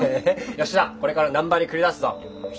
吉田これから難波に繰り出すぞ。